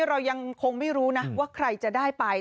เรายังคงไม่รู้นะว่าใครจะได้ไป